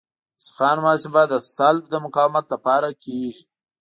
د سیخانو محاسبه د سلب د مقاومت لپاره کیږي